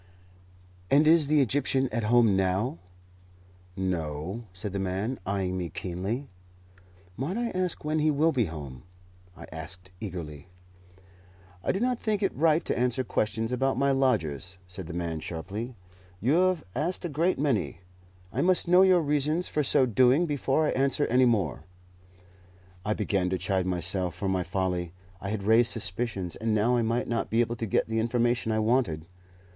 "And is the Egyptian at home now?" "No," said the man, eyeing me keenly. "Might I ask when he will be home?" I asked eagerly. "I do not think it right to answer questions about my lodgers," said the man, sharply. "You have asked a great many; I must know your reasons for so doing before I answer any more." I began to chide myself for my folly. I had raised suspicions, and now I might not be able to get the information I wanted.